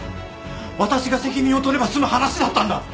私が責任を取れば済む話だったんだ。